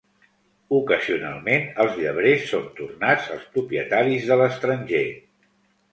Ocasionalment els llebrers son tornats als propietaris de l'estranger.